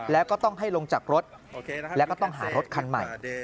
แล้วก็ต้องให้ลงจากรถแล้วก็ต้องหารถคันใหม่